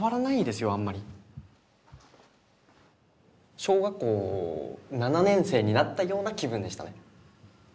小学校７年生になったような気分でしたね。